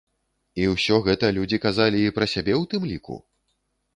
І ўсё гэта людзі казалі і пра сябе ў тым ліку?